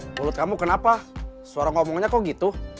menurut kamu kenapa suara ngomongnya kok gitu